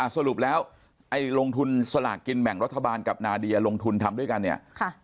สรุปแล้วไอ้ลงทุนสลากกินแบ่งรัฐบาลกับนาเดียลงทุนทำด้วยกันเนี่ย